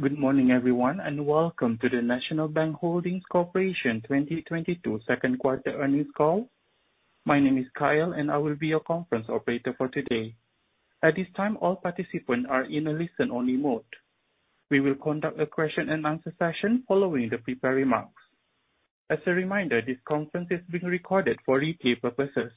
Good morning, everyone, and welcome to the National Bank Holdings Corporation 2022 Second Quarter Earnings Call. My name is Kyle, and I will be your conference operator for today. At this time, all participants are in a listen-only mode. We will conduct a question-and-answer session following the prepared remarks. As a reminder, this conference is being recorded for replay purposes.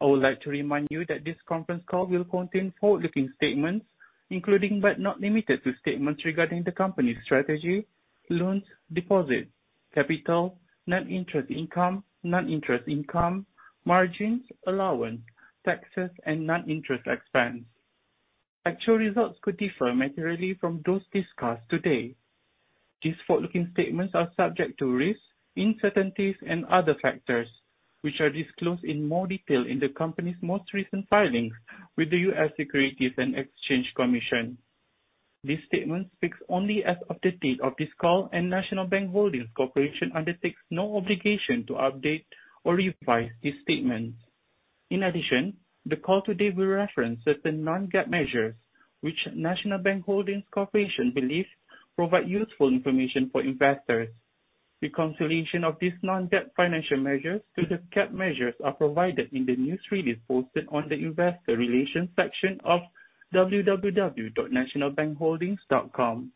I would like to remind you that this conference call will contain forward-looking statements, including but not limited to statements regarding the company's strategy, loans, deposits, capital, net interest income, non-interest income, margins, allowance, taxes, and non-interest expense. Actual results could differ materially from those discussed today. These forward-looking statements are subject to risks, uncertainties and other factors, which are disclosed in more detail in the company's most recent filings with the U.S. Securities and Exchange Commission. This statement speaks only as of the date of this call, and National Bank Holdings Corporation undertakes no obligation to update or revise this statement. In addition, the call today will reference certain non-GAAP measures, which National Bank Holdings Corporation believes provide useful information for investors. Reconciliation of these non-GAAP financial measures to the GAAP measures are provided in the news release posted on the Investor Relations section of www.nationalbankholdings.com.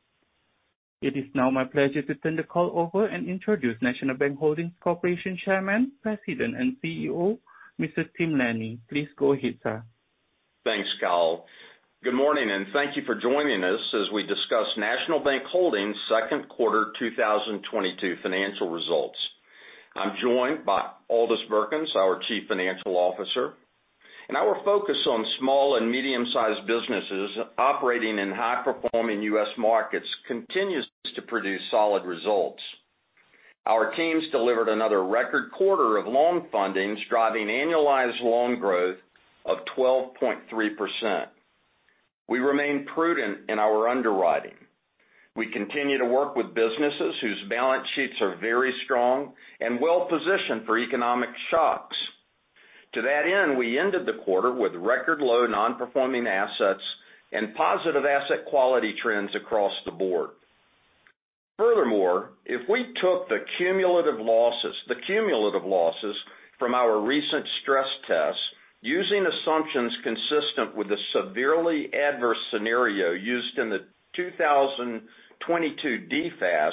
It is now my pleasure to turn the call over and introduce National Bank Holdings Corporation Chairman, President, and CEO, Mr. Tim Laney. Please go ahead, sir. Thanks, Kyle. Good morning, and thank you for joining us as we discuss National Bank Holdings' Second Quarter 2022 Financial Results. I'm joined by Aldis Birkans, our Chief Financial Officer, and our focus on small and medium-sized businesses operating in high-performing U.S. markets continues to produce solid results. Our teams delivered another record quarter of loan fundings, driving annualized loan growth of 12.3%. We remain prudent in our underwriting. We continue to work with businesses whose balance sheets are very strong and well-positioned for economic shocks. To that end, we ended the quarter with record low non-performing assets and positive asset quality trends across the board. Furthermore, if we took the cumulative losses, the cumulative losses from our recent stress tests using assumptions consistent with the severely adverse scenario used in the 2022 DFAST,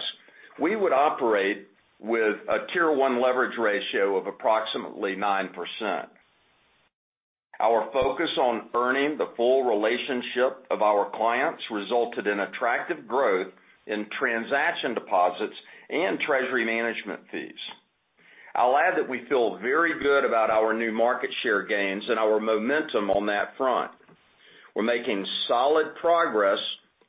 we would operate with a Tier 1 leverage ratio of approximately 9%. Our focus on earning the full relationship of our clients resulted in attractive growth in transaction deposits and treasury management fees. I'll add that we feel very good about our new market share gains and our momentum on that front. We're making solid progress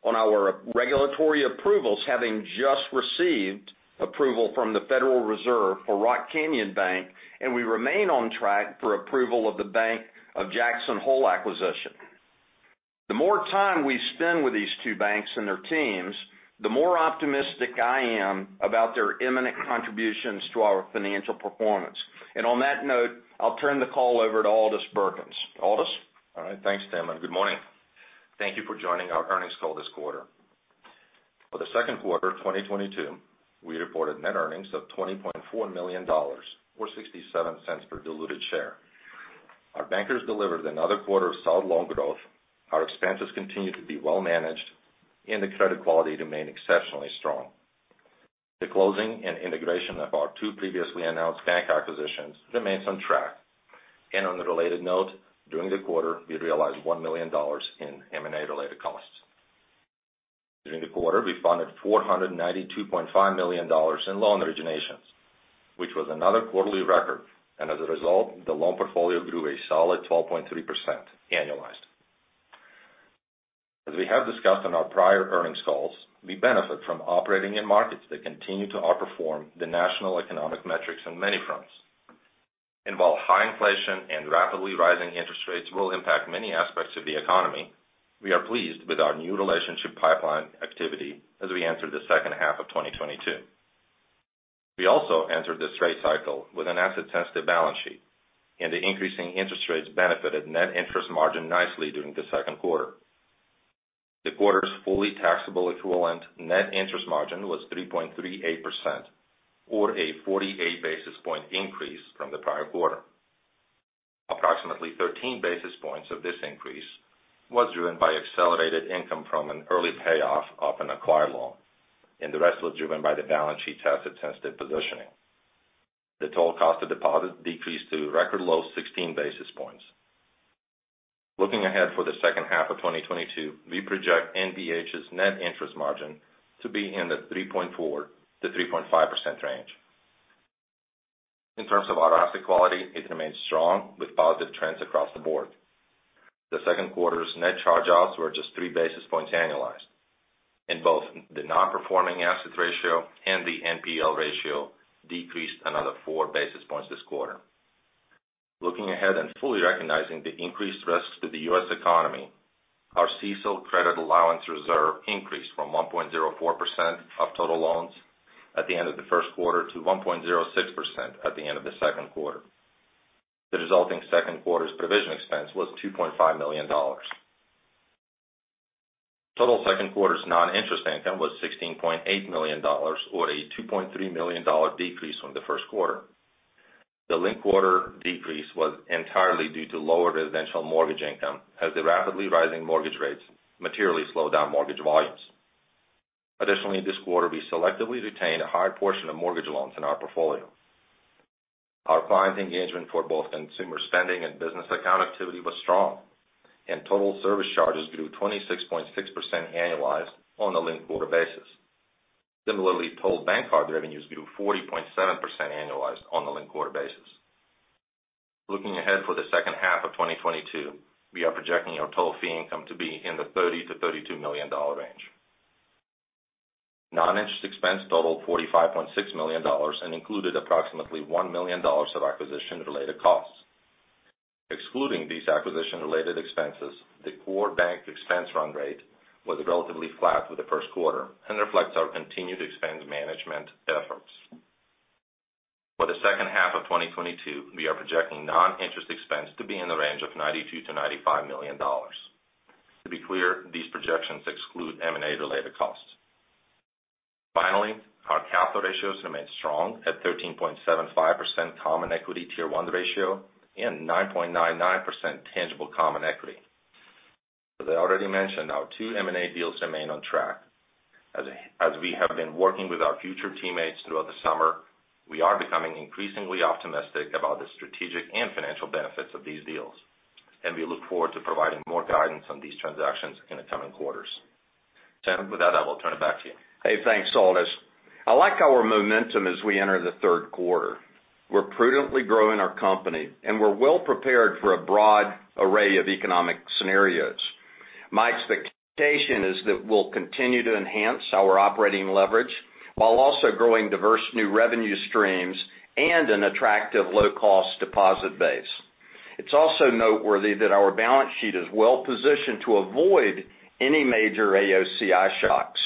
on our regulatory approvals, having just received approval from the Federal Reserve for Rock Canyon Bank, and we remain on track for approval of the Bank of Jackson Hole acquisition. The more time we spend with these two banks and their teams, the more optimistic I am about their imminent contributions to our financial performance. On that note, I'll turn the call over to Aldis Birkans. Aldis? All right. Thanks, Tim, and good morning. Thank you for joining our earnings call this quarter. For the second quarter of 2022, we reported net earnings of $20.4 million or $0.67 per diluted share. Our bankers delivered another quarter of solid loan growth. Our expenses continue to be well managed, and the credit quality remained exceptionally strong. The closing and integration of our two previously announced bank acquisitions remains on track. On a related note, during the quarter, we realized $1 million in M&A-related costs. During the quarter, we funded $492.5 million in loan originations, which was another quarterly record, and as a result, the loan portfolio grew a solid 12.3% annualized. As we have discussed on our prior earnings calls, we benefit from operating in markets that continue to outperform the national economic metrics on many fronts. While high inflation and rapidly rising interest rates will impact many aspects of the economy, we are pleased with our new relationship pipeline activity as we enter the second half of 2022. We also entered this rate cycle with an asset-sensitive balance sheet, and the increasing interest rates benefited net interest margin nicely during the second quarter. The quarter's fully taxable equivalent net interest margin was 3.38% or a 48 basis point increase from the prior quarter. Approximately 13 basis points of this increase was driven by accelerated income from an early payoff of an acquired loan, and the rest was driven by the balance sheet asset-sensitive positioning. The total cost of deposit decreased to a record low 16 basis points. Looking ahead for the second half of 2022, we project NBH's net interest margin to be in the 3.4%-3.5% range. In terms of our asset quality, it remains strong with positive trends across the board. The second quarter's net charge-offs were just three basis points annualized, and both the non-performing asset ratio and the NPL ratio decreased another four basis points this quarter. Looking ahead and fully recognizing the increased risks to the U.S. economy, our CECL credit allowance reserve increased from 1.04% of total loans at the end of the first quarter to 1.06% at the end of the second quarter. The resulting second quarter's provision expense was $2.5 million. Total second quarter's non-interest income was $16.8 million, or a $2.3 million decrease from the first quarter. The linked-quarter decrease was entirely due to lower residential mortgage income, as the rapidly rising mortgage rates materially slowed down mortgage volumes. Additionally, this quarter, we selectively retained a higher portion of mortgage loans in our portfolio. Our client engagement for both consumer spending and business account activity was strong, and total service charges grew 26.6% annualized on a linked-quarter basis. Similarly, total bank card revenues grew 40.7% annualized on a linked-quarter basis. Looking ahead for the second half of 2022, we are projecting our total fee income to be in the $30-$32 million range. Non-interest expense totaled $45.6 million and included approximately $1 million of acquisition-related costs. Excluding these acquisition-related expenses, the core bank expense run rate was relatively flat for the first quarter and reflects our continued expense management efforts. For the second half of 2022, we are projecting non-interest expense to be in the range of $92 million-$95 million. To be clear, these projections exclude M&A-related costs. Finally, our capital ratios remain strong at 13.75% common equity Tier 1 ratio and 9.99% tangible common equity. As I already mentioned, our two M&A deals remain on track. As we have been working with our future teammates throughout the summer, we are becoming increasingly optimistic about the strategic and financial benefits of these deals, and we look forward to providing more guidance on these transactions in the coming quarters. Tim, with that, I will turn it back to you. Hey, thanks, Aldis. I like our momentum as we enter the third quarter. We're prudently growing our company, and we're well-prepared for a broad array of economic scenarios. My expectation is that we'll continue to enhance our operating leverage while also growing diverse new revenue streams and an attractive low-cost deposit base. It's also noteworthy that our balance sheet is well-positioned to avoid any major AOCI shocks.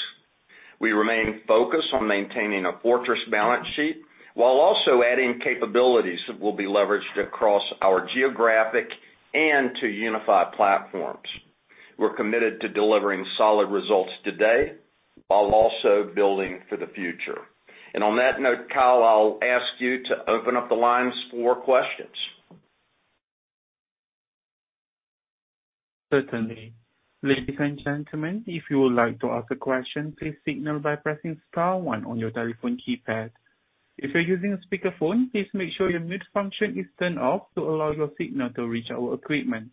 We remain focused on maintaining a fortress balance sheet while also adding capabilities that will be leveraged across our geographic and 2UniFi platforms. We're committed to delivering solid results today while also building for the future. On that note, Kyle, I'll ask you to open up the lines for questions. Certainly. Ladies and gentlemen, if you would like to ask a question, please signal by pressing star one on your telephone keypad. If you're using a speakerphone, please make sure your mute function is turned off to allow your signal to reach our equipment.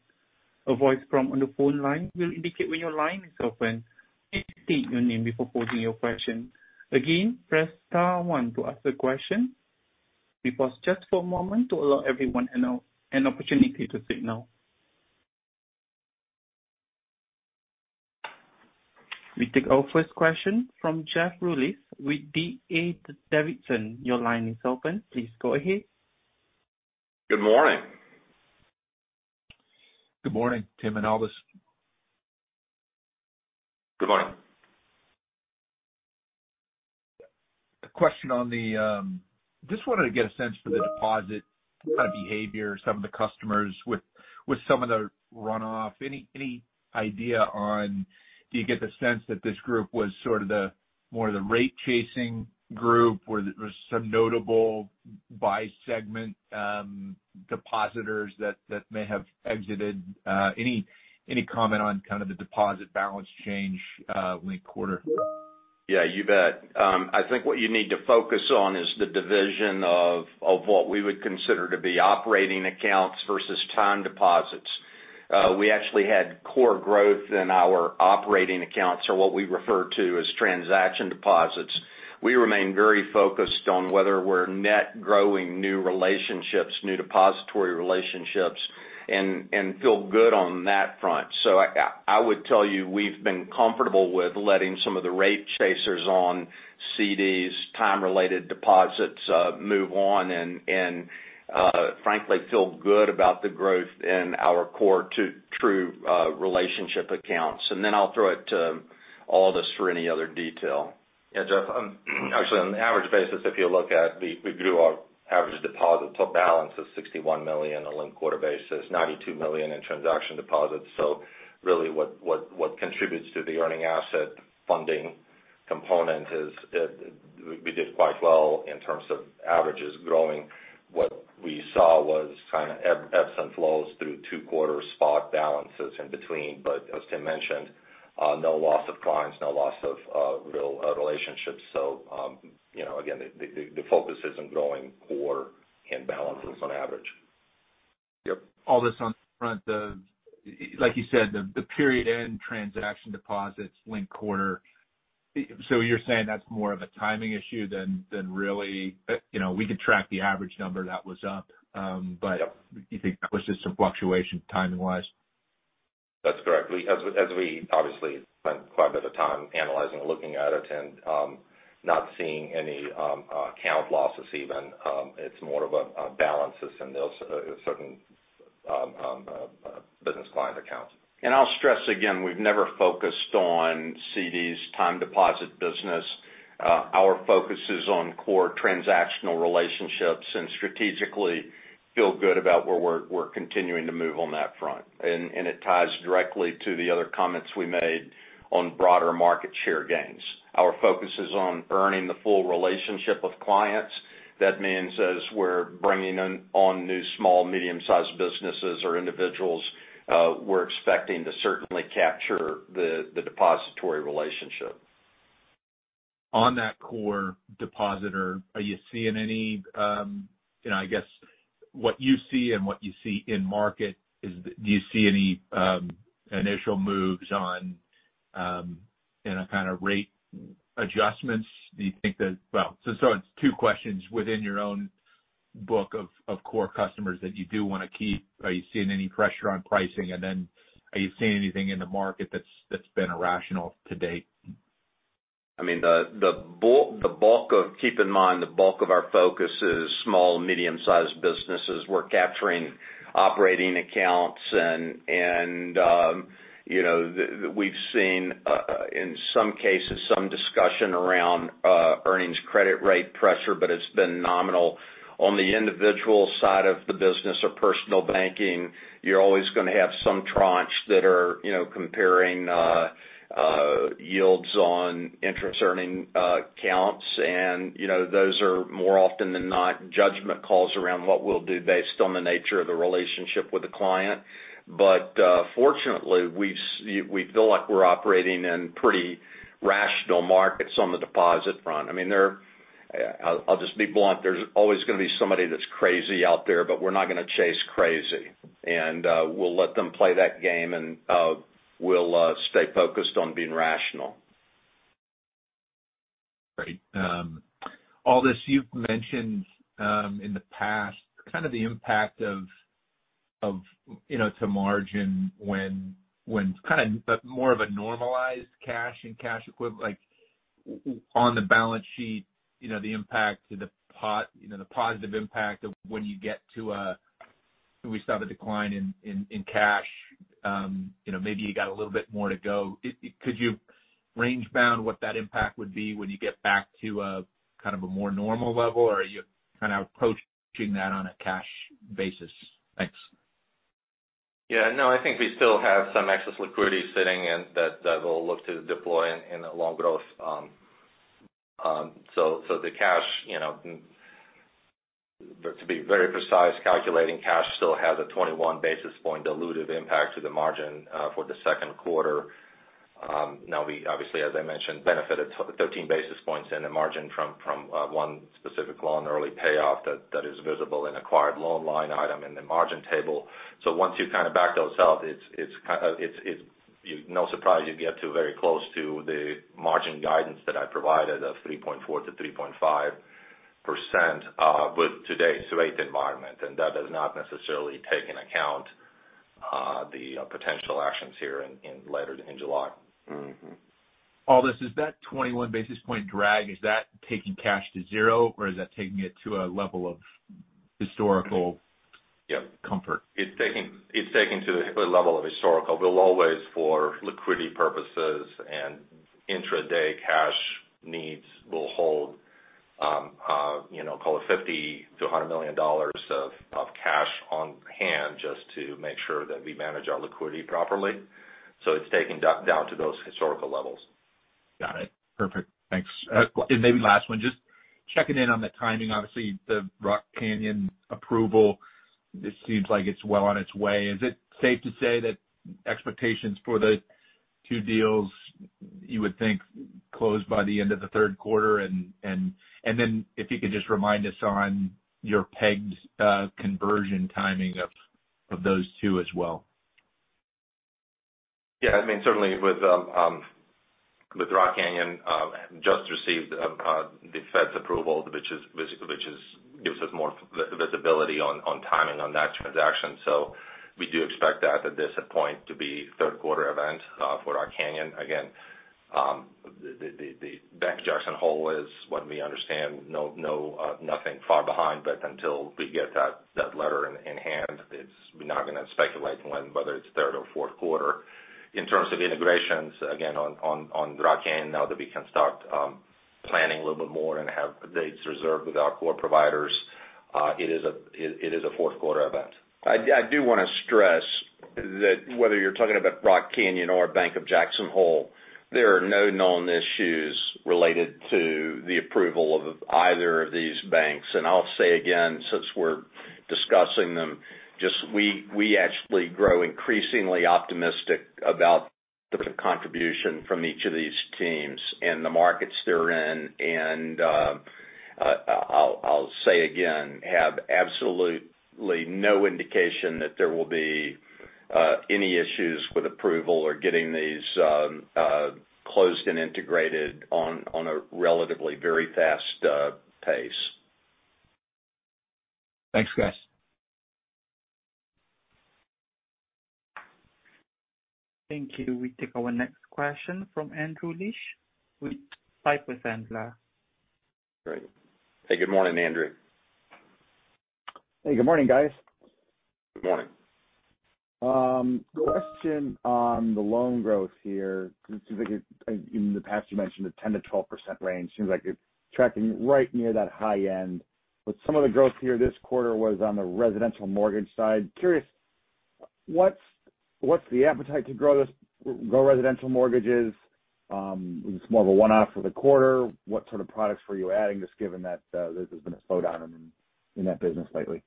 A voice prompt on the phone line will indicate when your line is open. Please state your name before posing your question. Again, press star one to ask a question. We pause just for a moment to allow everyone an opportunity to signal. We take our first question from Jeff Rulis with DA Davidson. Your line is open. Please go ahead. Good morning. Good morning, Tim and Aldis. Good morning. Just wanted to get a sense for the deposit kind of behavior, some of the customers with some of the runoff. Any idea? Do you get the sense that this group was sort of the more rate-chasing group where there was some notable by segment, depositors that may have exited? Any comment on kind of the deposit balance change, linked quarter? Yeah, you bet. I think what you need to focus on is the division of what we would consider to be operating accounts versus time deposits. We actually had core growth in our operating accounts or what we refer to as transaction deposits. We remain very focused on whether we're net growing new relationships, new depository relationships, and feel good on that front. I would tell you, we've been comfortable with letting some of the rate chasers on CDs, time-related deposits, move on and frankly, feel good about the growth in our core to true relationship accounts. I'll throw it to Aldis for any other detail. Yeah, Jeff, actually, on the average basis, if you look at the we grew our average deposit balance of $61 million on a linked-quarter basis, $92 million in transaction deposits. Really what contributes to the earning asset funding component is we did quite well in terms of averages growing. What we saw was kind of ebbs and flows through the quarter spot balances in between. As Tim mentioned, no loss of clients, no loss of relationships. You know, again, the focus is on growing core and balances on average. Yep. Aldis, on the front, like you said, the period-end transaction deposits linked quarter. You're saying that's more of a timing issue than really. You know, we could track the average number that was up. But Yep. Do you think that was just some fluctuation timing-wise? That's correct. As we obviously spent quite a bit of time analyzing, looking at it and not seeing any account losses even. It's more of a balances and those certain business client accounts. I'll stress again, we've never focused on CDs time deposit business. Our focus is on core transactional relationships and strategically feel good about where we're continuing to move on that front. It ties directly to the other comments we made on broader market share gains. Our focus is on earning the full relationship with clients. That means as we're bringing on new small medium-sized businesses or individuals, we're expecting to certainly capture the depository relationship. On that core depositor, are you seeing any, you know, I guess, what you see in market is? Do you see any initial moves in a kind of rate adjustments? It's two questions within your own book of core customers that you do wanna keep. Are you seeing any pressure on pricing? Then are you seeing anything in the market that's been irrational to date? I mean, the bulk of our focus is small, medium-sized businesses. We're capturing operating accounts and you know, we've seen in some cases some discussion around earnings credit rate pressure, but it's been nominal. On the individual side of the business or personal banking, you're always gonna have some tranches that are you know, comparing yields on interest-earning accounts. You know, those are more often than not judgment calls around what we'll do based on the nature of the relationship with the client. Fortunately, we feel like we're operating in pretty rational markets on the deposit front. I mean, I'll just be blunt, there's always gonna be somebody that's crazy out there, but we're not gonna chase crazy. We'll let them play that game and stay focused on being rational. Great. Aldis, you've mentioned in the past kind of the impact to margin when more of a normalized cash and cash equivalents like on the balance sheet, you know, the impact to the NIM, you know, the positive impact of the decline in cash we saw. You know, maybe you got a little bit more to go. Could you range-bound what that impact would be when you get back to a kind of a more normal level? Or are you kind of approaching that on a cash basis? Thanks. Yeah, no, I think we still have some excess liquidity sitting in that we'll look to deploy in a loan growth. So the cash, you know, to be very precise, calculating cash still has a 21 basis point dilutive impact to the margin for the second quarter. Now we obviously, as I mentioned, benefited 13 basis points in the margin from one specific loan early payoff that is visible in acquired loan line item in the margin table. So once you kind of back those out, it's no surprise you get to very close to the margin guidance that I provided of 3.4%-3.5% with today's rate environment, and that does not necessarily take into account the potential actions here in later in July. Aldis, is that 21 basis point drag, is that taking cash to zero, or is that taking it to a level of historical comfort? Yep. It's taking to the level of historical. We'll always, for liquidity purposes and intraday cash needs, we'll hold, you know, call it $50-$100 million of cash on hand just to make sure that we manage our liquidity properly. It's taking down to those historical levels. Got it. Perfect. Thanks. Maybe last one, just checking in on the timing. Obviously, the Rock Canyon approval, it seems like it's well on its way. Is it safe to say that expectations for the two deals you would think close by the end of the third quarter? If you could just remind us on your pegs, conversion timing of those two as well. Yeah. I mean, certainly with Rock Canyon, just received the Fed's approval, which gives us more visibility on timing on that transaction. We do expect that at this point to be third quarter event for Rock Canyon. Again, the Bank of Jackson Hole is, what we understand, nothing far behind, but until we get that letter in hand, we're not gonna speculate when, whether it's third or fourth quarter. In terms of integrations, again, on Rock Canyon now that we can start planning a little bit more and have dates reserved with our core providers, it is a fourth quarter event. I do wanna stress that whether you're talking about Rock Canyon or Bank of Jackson Hole, there are no known issues related to the approval of either of these banks. I'll say again, since we're discussing them, we actually grow increasingly optimistic about the contribution from each of these teams and the markets they're in. I'll say again, have absolutely no indication that there will be any issues with approval or getting these closed and integrated on a relatively very fast pace. Thanks, guys. Thank you. We take our next question from Andrew Liesch with Piper Sandler. Great. Hey, good morning, Andrew. Hey, good morning, guys. Good morning. Question on the loan growth here. In the past, you mentioned a 10%-12% range. It seems like it's tracking right near that high end. Some of the growth here this quarter was on the residential mortgage side. Curious, what's the appetite to grow residential mortgages? It's more of a one-off for the quarter. What sort of products were you adding, just given that there's been a slowdown in that business lately?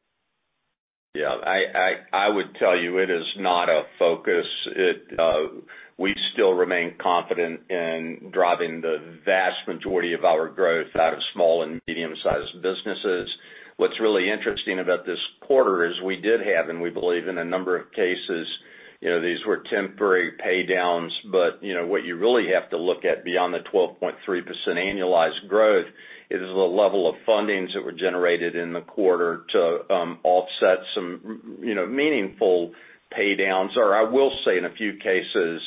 Yeah. I would tell you it is not a focus. We still remain confident in driving the vast majority of our growth out of small and medium-sized businesses. What's really interesting about this quarter is we did have, and we believe in a number of cases, you know, these were temporary pay downs. You know, what you really have to look at beyond the 12.3% annualized growth is the level of fundings that were generated in the quarter to offset some, you know, meaningful pay downs. I will say in a few cases,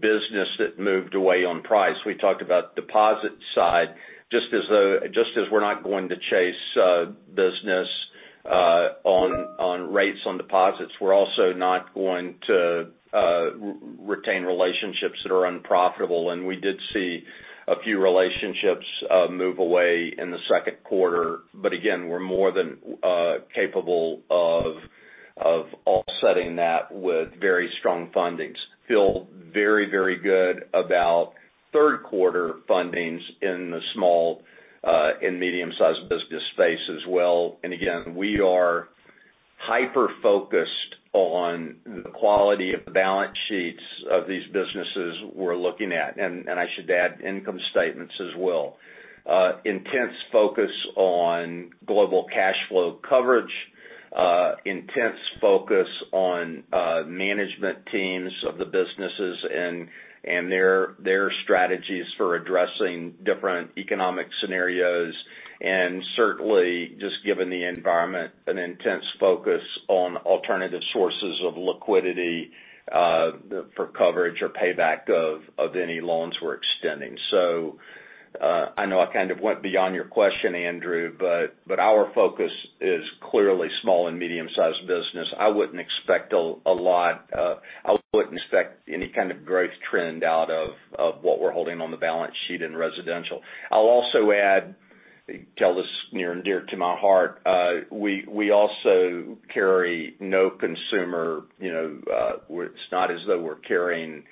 business that moved away on price. We talked about deposit side. Just as we're not going to chase business on rates on deposits, we're also not going to retain relationships that are unprofitable. We did see a few relationships move away in the second quarter. We're more than capable of offsetting that with very strong fundings. Feel very, very good about third quarter fundings in the small and medium-sized business space as well. We are hyper-focused on the quality of the balance sheets of these businesses we're looking at, and I should add income statements as well. Intense focus on global cash flow coverage, intense focus on management teams of the businesses and their strategies for addressing different economic scenarios, and certainly, just given the environment, an intense focus on alternative sources of liquidity for coverage or payback of any loans we're extending. I know I kind of went beyond your question, Andrew, but our focus is clearly small and medium-sized business. I wouldn't expect a lot. I wouldn't expect any kind of growth trend out of what we're holding on the balance sheet in residential. I'll also add, this is near and dear to my heart, we also carry no consumer, you know, it's not as though we're carrying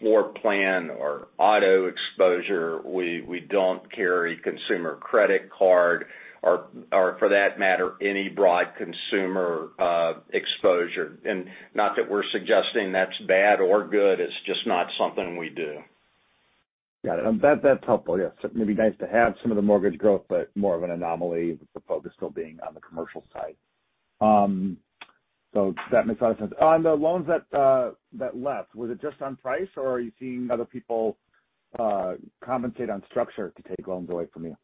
floor plan or auto exposure. We don't carry consumer credit card or, for that matter, any broad consumer exposure. Not that we're suggesting that's bad or good, it's just not something we do. Got it. That's helpful. Yes. It may be nice to have some of the mortgage growth, but more of an anomaly with the focus still being on the commercial side. That makes a lot of sense. On the loans that left, was it just on price, or are you seeing other people compensate on structure to take loans away from you?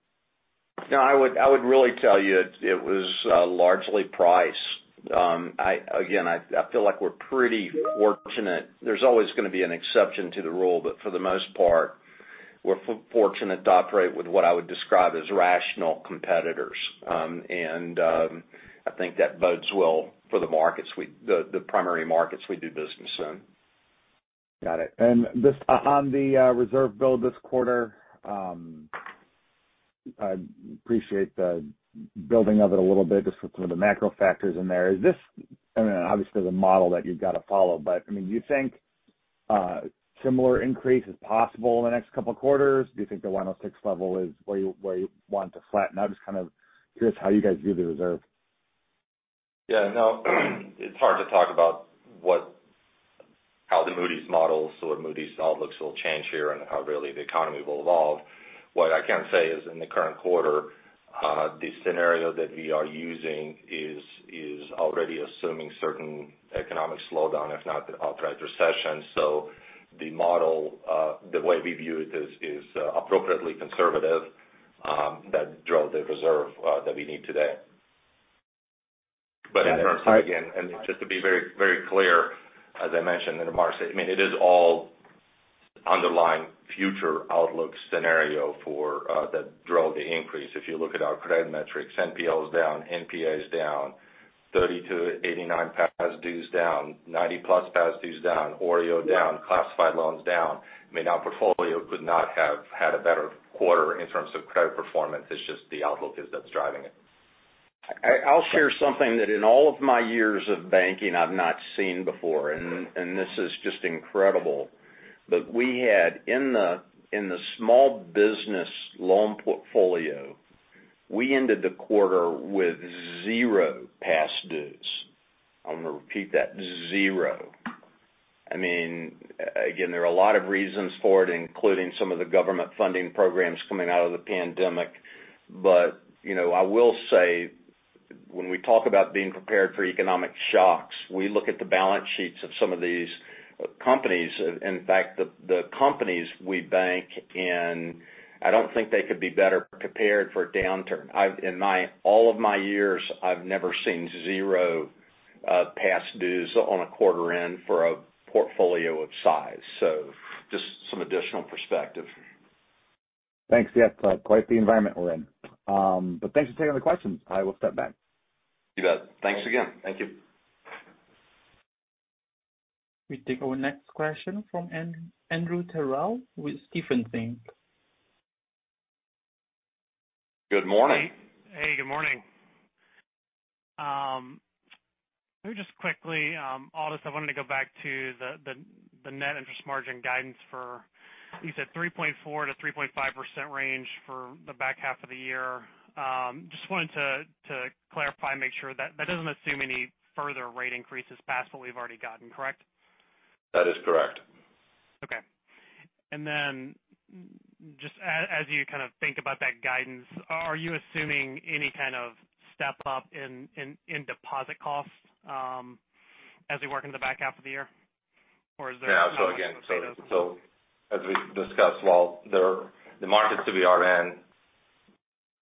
No, I would really tell you it was largely price. I feel like we're pretty fortunate. There's always gonna be an exception to the rule, but for the most part, we're fortunate to operate with what I would describe as rational competitors. I think that bodes well for the primary markets we do business in. Got it. On the reserve build this quarter, I'd appreciate the building of it a little bit just with some of the macro factors in there. Is this? I mean, obviously the model that you've got to follow, but I mean, do you think similar increase is possible in the next couple of quarters? Do you think the 106 level is where you want it to flatten out? Just kind of curious how you guys view the reserve. Yeah. No. It's hard to talk about how the Moody's models or Moody's outlooks will change here and how really the economy will evolve. What I can say is in the current quarter, the scenario that we are using is already assuming certain economic slowdown, if not outright recession. The model, the way we view it is appropriately conservative, that drove the reserve that we need today. In terms of, again, and just to be very, very clear, as I mentioned in March, I mean, it is all underlying future outlook scenario for that drove the increase. If you look at our credit metrics, NPL is down, NPA is down, 30-89 past dues down, 90+ past dues down, OREO down, classified loans down. I mean, our portfolio could not have had a better quarter in terms of credit performance. It's just the outlook is that's driving it. I'll share something that in all of my years of banking, I've not seen before, and this is just incredible. But we had in the small business loan portfolio, we ended the quarter with 0 past dues. I'm gonna repeat that, 0. I mean, again, there are a lot of reasons for it, including some of the government funding programs coming out of the pandemic. You know, I will say when we talk about being prepared for economic shocks, we look at the balance sheets of some of these companies. In fact, the companies we bank in, I don't think they could be better prepared for a downturn. In all of my years, I've never seen zero past dues on a quarter end for a portfolio of size. Just some additional perspective. Thanks. Yes, quite the environment we're in. Thanks for taking the questions. I will step back. You bet. Thanks again. Thank you. We take our next question from Andrew Terrell with Stephens Inc. Good morning. Hey, good morning. Let me just quickly, Aldis, I wanted to go back to the net interest margin guidance. You said 3.4%-3.5% range for the back half of the year. Just wanted to clarify, make sure that doesn't assume any further rate increases past what we've already gotten, correct? That is correct. Okay. Just as you kind of think about that guidance, are you assuming any kind of step up in deposit costs, as we work in the back half of the year? Or is there- Yeah. Again, as we discussed, while the markets that we are in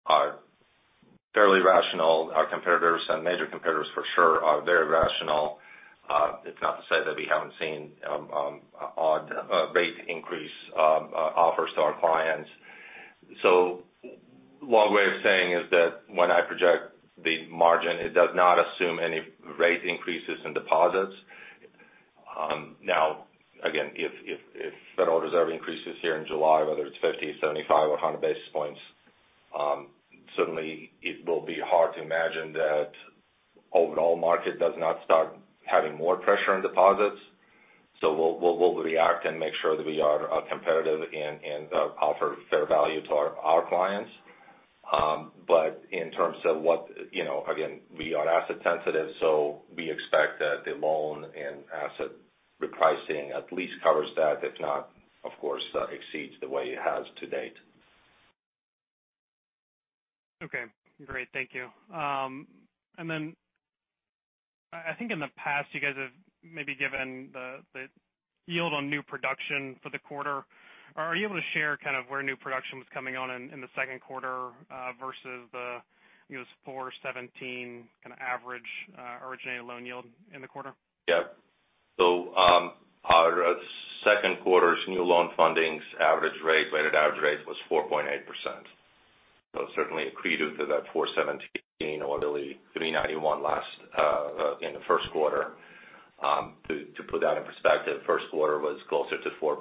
are fairly rational, our competitors and major competitors for sure are very rational. It's not to say that we haven't seen odd rate increase offers to our clients. Long way of saying is that when I project the margin, it does not assume any rate increases in deposits. Now again, if Federal Reserve increases here in July, whether it's 50, 75 or 100 basis points, certainly it will be hard to imagine that overall market does not start having more pressure on deposits. We'll react and make sure that we are competitive and offer fair value to our clients. in terms of what, you know, again, we are asset sensitive, so we expect that the loan and asset repricing at least covers that, if not, of course, exceeds the way it has to date. Okay, great. Thank you. I think in the past you guys have maybe given the yield on new production for the quarter. Are you able to share kind of where new production was coming on in the second quarter versus the, you know, 4.17% kind of average originated loan yield in the quarter? Yeah. Our second quarter's new loan fundings average rate, weighted average rate was 4.8%. Certainly accretive to that 4.17% or 3.91% last in the first quarter. To put that in perspective, first quarter was closer to 4%.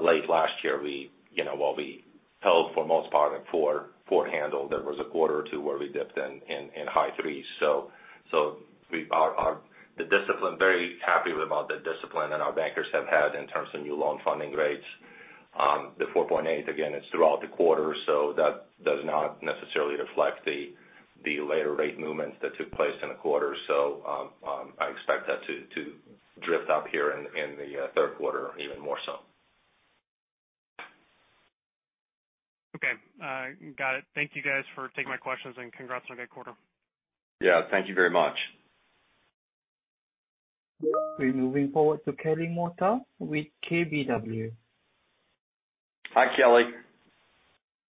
Late last year, you know, while we held for most part in 4 handle, there was a quarter or two where we dipped in high threes. Our discipline, very happy about the discipline that our bankers have had in terms of new loan funding rates. The 4.8%, again, it's throughout the quarter, so that does not necessarily reflect the later rate movements that took place in a quarter. I expect that to drift up here in the third quarter even more so. Okay. Got it. Thank you guys for taking my questions and congrats on a good quarter. Yeah, thank you very much. We're moving forward to Kelly Motta with KBW. Hi, Kelly.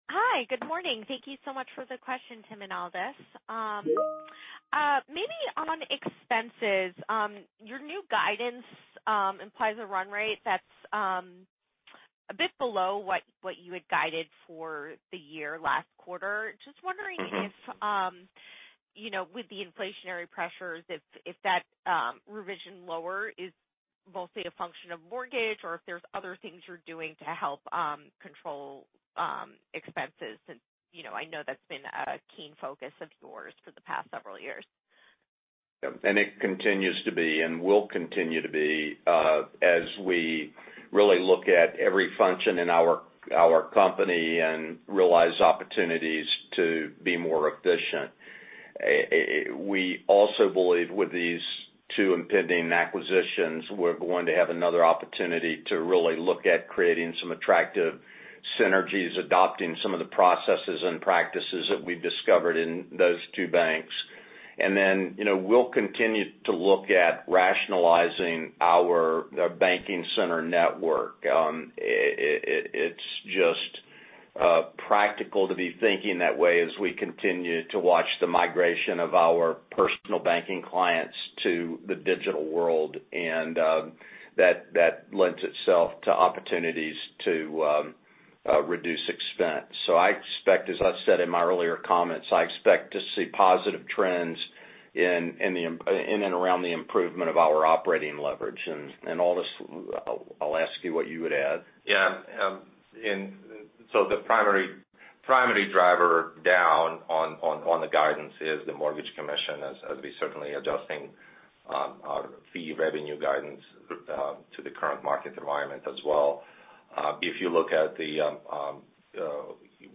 Hi. Good morning. Thank you so much for the question, Tim and Aldis. Maybe on expenses, your new guidance implies a run rate that's a bit below what you had guided for the year last quarter. Just wondering. If you know, with the inflationary pressures, if that revision lower is mostly a function of mortgage or if there's other things you're doing to help control expenses since, you know, I know that's been a keen focus of yours for the past several years. Yeah. It continues to be and will continue to be as we really look at every function in our company and realize opportunities to be more efficient. We also believe with these two impending acquisitions, we're going to have another opportunity to really look at creating some attractive synergies, adopting some of the processes and practices that we've discovered in those two banks. You know, we'll continue to look at rationalizing our banking center network. It's just practical to be thinking that way as we continue to watch the migration of our personal banking clients to the digital world, and that lends itself to opportunities to reduce expense. I expect, as I've said in my earlier comments, I expect to see positive trends in and around the improvement of our operating leverage. Aldis, I'll ask you what you would add. The primary driver down on the guidance is the mortgage commission as we're certainly adjusting our fee revenue guidance to the current market environment as well. If you look at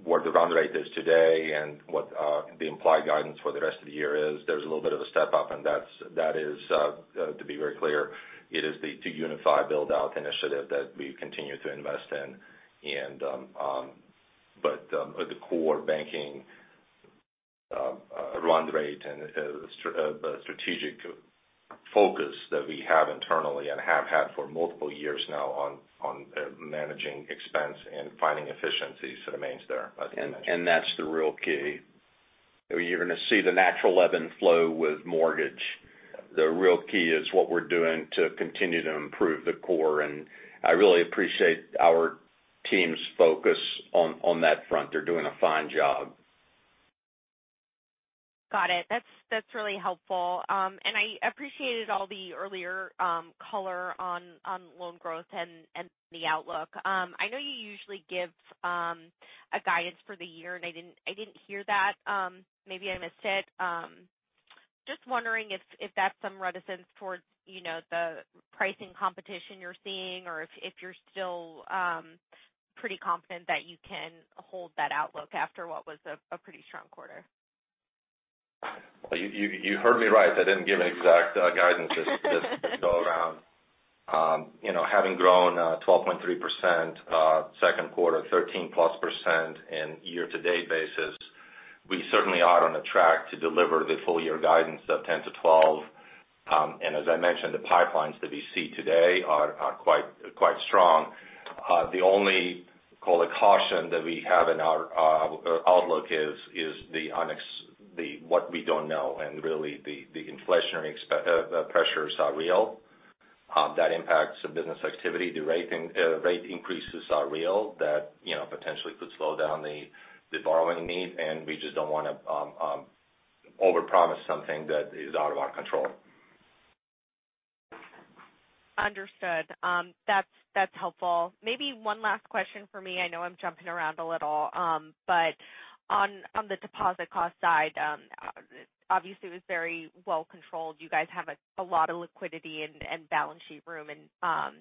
what the run rate is today and what the implied guidance for the rest of the year is, there's a little bit of a step-up, and that is, to be very clear, it is the 2UniFi build-out initiative that we continue to invest in. At the core banking run rate and strategic focus that we have internally and have had for multiple years now on managing expenses and finding efficiencies remains there, as you mentioned and that's the real key. You're gonna see the natural ebb and flow with mortgage. The real key is what we're doing to continue to improve the core, and I really appreciate our team's focus on that front. They're doing a fine job. Got it. That's really helpful. I appreciated all the earlier color on loan growth and the outlook. I know you usually give a guidance for the year, and I didn't hear that. Maybe I missed it. Just wondering if that's some reticence towards, you know, the pricing competition you're seeing or if you're still pretty confident that you can hold that outlook after what was a pretty strong quarter. Well, you heard me right. I didn't give exact guidance this go around. You know, having grown 12.3% second quarter, 13%+ in year-to-date basis, we certainly are on a track to deliver the full year guidance of 10%-12%. As I mentioned, the pipelines that we see today are quite strong. The only caution that we have in our outlook is the what we don't know and really the inflationary pressures are real. That impacts the business activity. The rate increases are real. That you know potentially could slow down the borrowing need, and we just don't wanna overpromise something that is out of our control. Understood. That's helpful. Maybe one last question for me. I know I'm jumping around a little. On the deposit cost side, obviously, it was very well controlled. You guys have a lot of liquidity and balance sheet room, and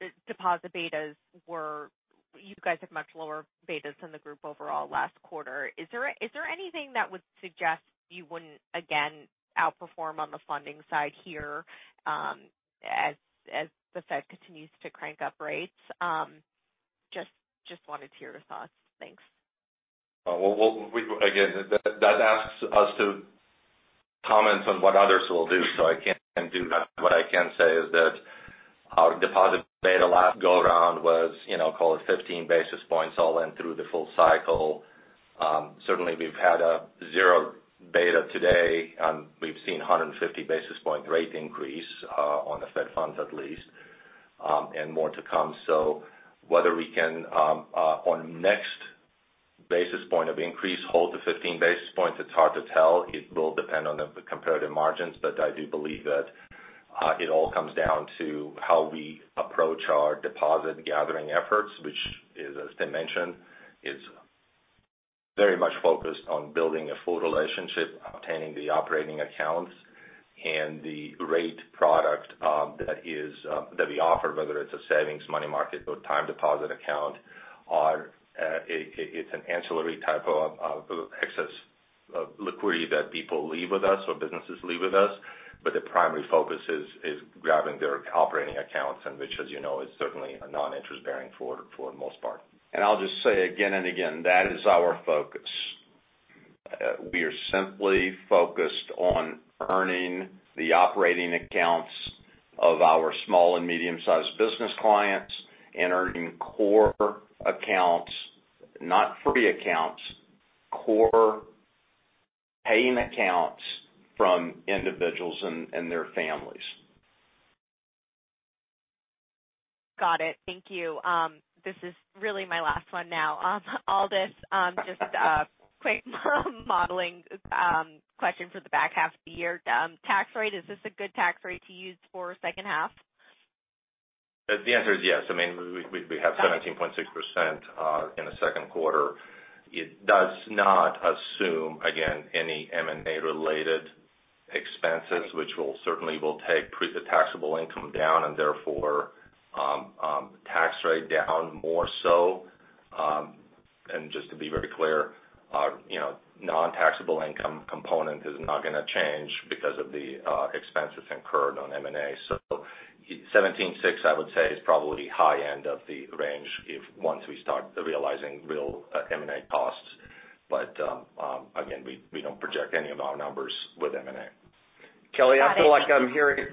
the deposit betas were. You guys have much lower betas than the group overall last quarter. Is there anything that would suggest you wouldn't again outperform on the funding side here, as the Fed continues to crank up rates? Just wanted to hear your thoughts. Thanks. Well, again, that asks us to comment on what others will do, so I can't do that. What I can say is that our deposit beta last go around was, you know, call it 15 basis points all in through the full cycle. Certainly, we've had a zero beta today, and we've seen a 150 basis point rate increase on the Fed funds at least, and more to come. Whether we can on next basis point of increase hold to 15 basis points, it's hard to tell. It will depend on the comparative margins. I do believe that it all comes down to how we approach our deposit gathering efforts, which, as Tim mentioned, is very much focused on building a full relationship, obtaining the operating accounts and the rate product that we offer, whether it's a savings, money market or time deposit account. It is an ancillary type of excess liquidity that people leave with us or businesses leave with us. The primary focus is grabbing their operating accounts, which, as you know, is certainly a non-interest bearing for the most part. I'll just say again and again: that is our focus. We are simply focused on earning the operating accounts of our small and medium-sized business clients and earning core accounts, not free accounts, core paying accounts from individuals and their families. Got it. Thank you. This is really my last one now. Aldis, just quick modeling question for the back half of the year. Tax rate, is this a good tax rate to use for second half? The answer is yes. I mean, we have 17.6% in the second quarter. It does not assume, again, any M&A related expenses, which will certainly take pre-taxable income down and therefore tax rate down more so. Just to be very clear, our, you know, non-taxable income component is not gonna change because of the expenses incurred on M&A. 17.6, I would say, is probably high end of the range if once we start realizing real M&A costs. Again, we don't project any of our numbers with M&A. Got it. Kelly, I feel like I'm hearing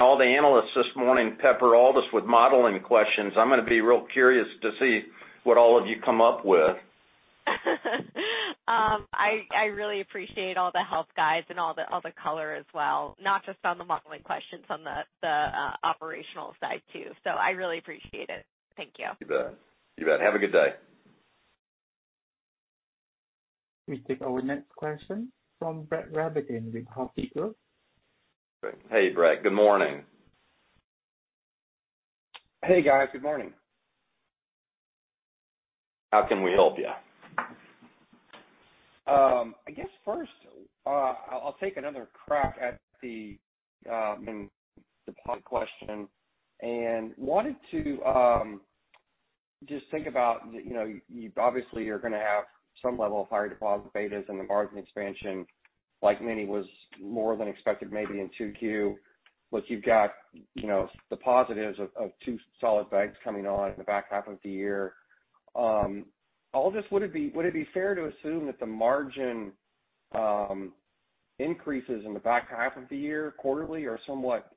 all the analysts this morning pepper Aldis with modeling questions. I'm gonna be real curious to see what all of you come up with. I really appreciate all the help guys and all the color as well, not just on the modeling questions, on the operational side too. I really appreciate it. Thank you. You bet. Have a good day. We take our next question from Brett Rabatin with Hovde Group. Hey, Brett. Good morning. Hey, guys. Good morning. How can we help you? I guess first, I'll take another crack at the deposit question and wanted to just think about, you know, you obviously are gonna have some level of higher deposit betas and the margin expansion like in 2Q was more than expected maybe in 2Q. Plus you've got, you know, the positives of two solid banks coming on in the back half of the year. Aldis, would it be fair to assume that the margin increases in the back half of the year quarterly are somewhat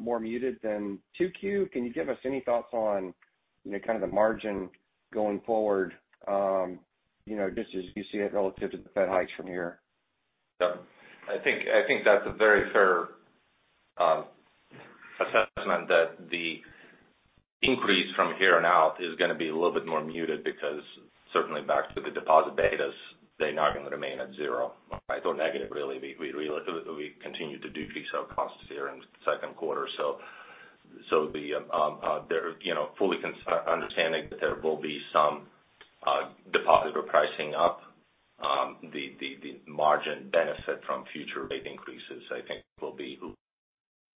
more muted than 2Q. Can you give us any thoughts on, you know, kind of the margin going forward, you know, just as you see it relative to the Fed hikes from here? I think that's a very fair assessment that the increase from here on out is gonna be a little bit more muted because certainly back to the deposit betas, they're not gonna remain at zero, or go negative really. We continue to decrease our costs here in the second quarter. You know, fully understanding that there will be some depositor pricing up, the margin benefit from future rate increases, I think, will be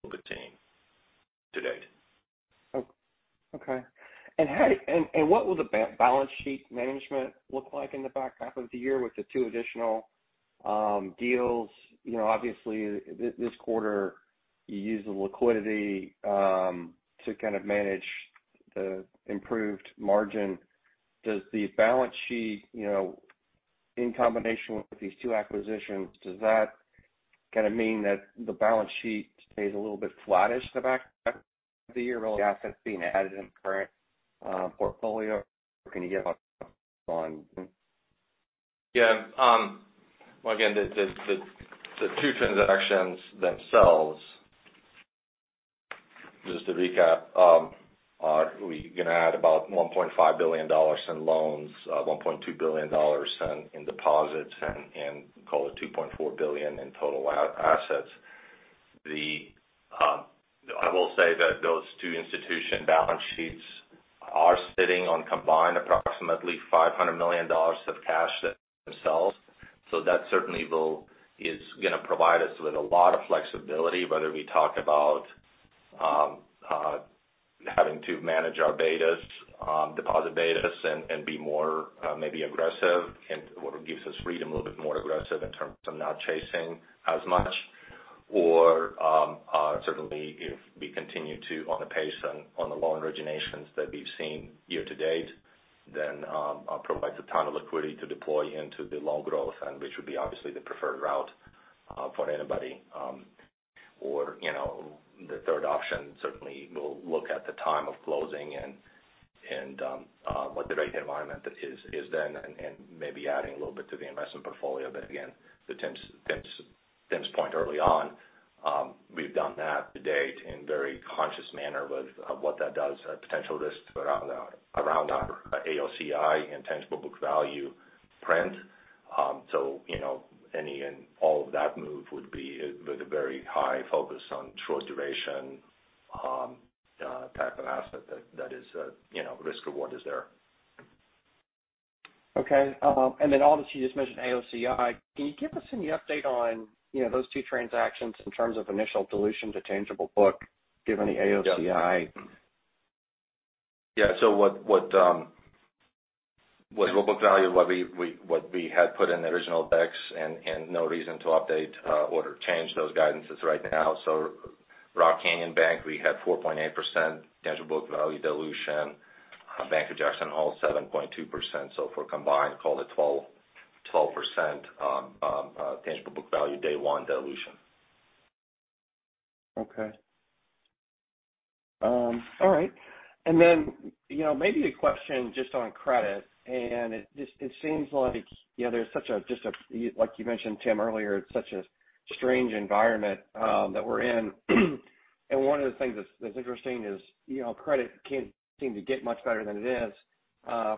to date. Okay. What will the balance sheet management look like in the back half of the year with the two additional deals? You know, obviously this quarter you used the liquidity to kind of manage the improved margin. Does the balance sheet, you know, in combination with these two acquisitions, does that kind of mean that the balance sheet stays a little bit flattish the back half of the year while assets being added in current portfolio? Can you give us on? Yeah. Well, again, the two transactions themselves, just to recap, are going to add about $1.5 billion in loans, $1.2 billion in deposits and call it $2.4 billion in total assets. I will say that those two institutions' balance sheets are sitting on combined approximately $500 million of cash themselves. So that certainly is going to provide us with a lot of flexibility, whether we talk about having to manage our betas, deposit betas and be more, maybe aggressive and what it gives us freedom, a little bit more aggressive in terms of not chasing as much. Certainly, if we continue on the pace of the loan originations that we've seen year to date, then provides a ton of liquidity to deploy into the loan growth and which would be obviously the preferred route for anybody. You know, the third option certainly will look at the time of closing and what the rate environment is then and maybe adding a little bit to the investment portfolio. Again, to Tim's point early on, we've done that to date in very conscious manner with of what that does potential risks around our AOCI and tangible book value print. You know, any and all of that move would be with a very high focus on short duration type of asset that is, you know, risk reward is there. Obviously you just mentioned AOCI. Can you give us any update on, you know, those two transactions in terms of initial dilution to tangible book given the AOCI? Yeah. What book value we had put in the original decks and no reason to update or change those guidances right now. Rock Canyon Bank, we had 4.8% tangible book value dilution. Bank of Jackson Hole, 7.2%. For combined, call it 12% tangible book value day one dilution. Okay. All right. You know, maybe a question just on credit. It seems like, you know, there's such a strange environment, like you mentioned, Tim, earlier, that we're in. One of the things that's interesting is, you know, credit can't seem to get much better than it is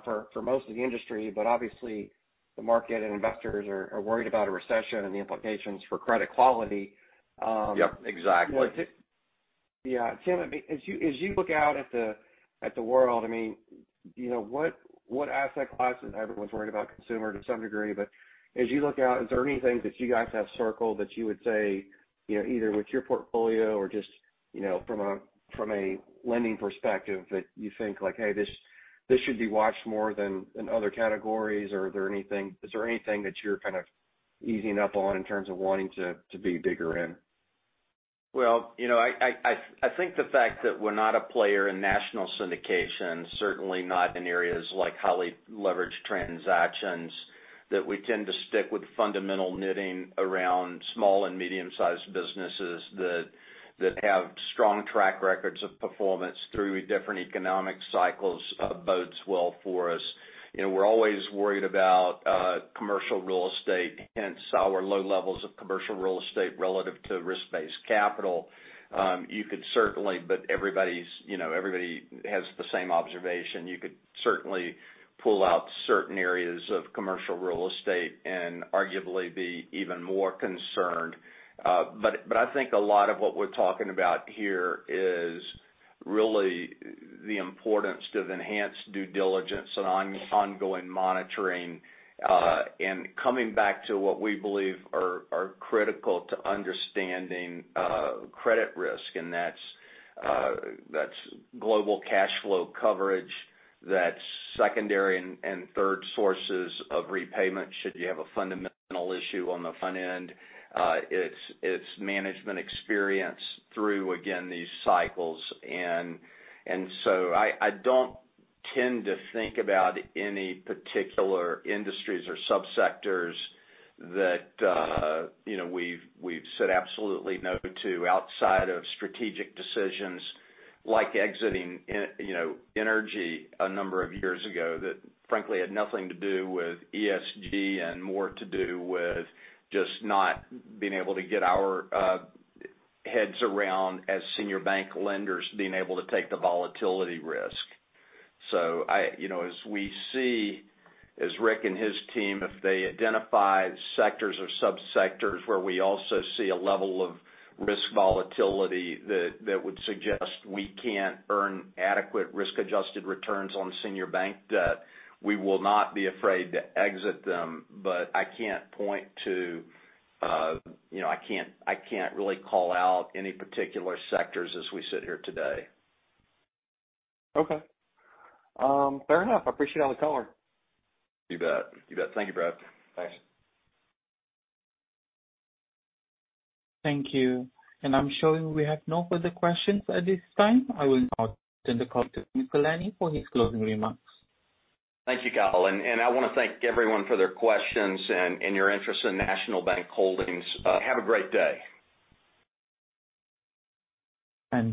for most of the industry. Obviously the market and investors are worried about a recession and the implications for credit quality. Yep, exactly. Yeah. Tim, as you look out at the world, I mean, you know, what asset classes, everyone's worried about consumer to some degree, but as you look out, is there anything that you guys have circled that you would say, you know, either with your portfolio or just, you know, from a lending perspective that you think like, "Hey, this should be watched more than in other categories?" Or is there anything that you're kind of easing up on in terms of wanting to be bigger in? Well, you know, I think the fact that we're not a player in national syndication, certainly not in areas like highly leveraged transactions, that we tend to stick with fundamental knitting around small and medium-sized businesses that have strong track records of performance through different economic cycles, bodes well for us. You know, we're always worried about commercial real estate, hence our low levels of commercial real estate relative to risk-based capital. You could certainly, but everybody, you know, has the same observation. You could certainly pull out certain areas of commercial real estate and arguably be even more concerned. But I think a lot of what we're talking about here is really the importance of enhanced due diligence and ongoing monitoring. Coming back to what we believe are critical to understanding credit risk, and that's global cash flow coverage, that's secondary and third sources of repayment should you have a fundamental issue on the front end. It's management experience through, again, these cycles. I don't- tend to think about any particular industries or subsectors that, you know, we've said absolutely no to outside of strategic decisions like exiting, you know, energy a number of years ago, that frankly had nothing to do with ESG and more to do with just not being able to get our heads around as senior bank lenders being able to take the volatility risk. You know, as we see, as Rick and his team, if they identify sectors or subsectors where we also see a level of risk volatility that would suggest we can't earn adequate risk-adjusted returns on senior bank debt, we will not be afraid to exit them. I can't point to, you know, I can't really call out any particular sectors as we sit here today. Okay. Fair enough. I appreciate all the color. You bet. Thank you, Brett. Thanks. Thank you. I'm showing we have no further questions at this time. I will now turn the call to Tim Laney for his closing remarks. Thank you, Kyle. I wanna thank everyone for their questions and your interest in National Bank Holdings. Have a great day.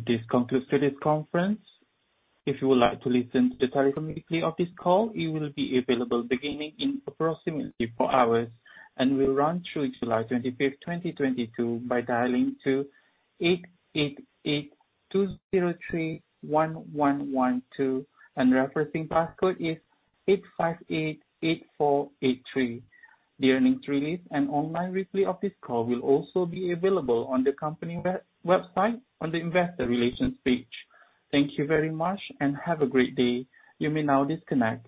This concludes today's conference. If you would like to listen to the telephone replay of this call, it will be available beginning in approximately four hours and will run through July 25th, 2022 by dialing 888-203-1112 and referencing passcode 8588483. The earnings release and online replay of this call will also be available on the company's website on the investor relations page. Thank you very much and have a great day. You may now disconnect.